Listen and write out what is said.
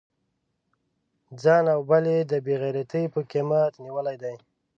ځان او بل یې د بې غیرتی پر قیمت نیولی دی.